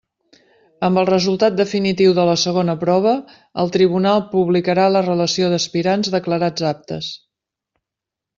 Amb el resultat definitiu de la segona prova, el tribunal publicarà la relació d'aspirants declarats aptes.